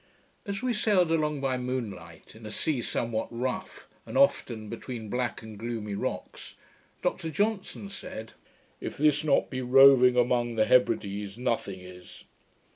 As we sailed along by moonlight, in a sea somewhat rough, and often between black and gloomy rocks, Dr Johnson said, 'If this be not ROVING AMONG THE HEBRIDES, nothing is.'